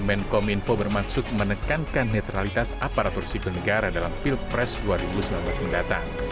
menkom info bermaksud menekankan netralitas aparatur sipil negara dalam pilpres dua ribu sembilan belas mendatang